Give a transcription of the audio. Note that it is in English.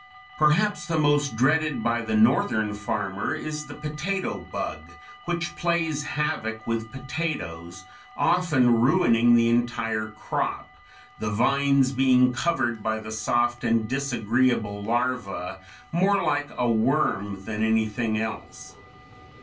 Perhaps the most dreaded by the Northern farmer is the potato bug (Fig. 207), which plays havoc with potatoes, often ruining the entire crop, the vines being covered by the soft and disagreeable larva, more like a worm than anything else.